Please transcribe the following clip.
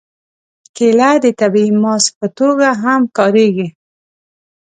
کېله د طبیعي ماسک په توګه هم کارېږي.